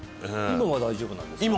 今は大丈夫なんですか？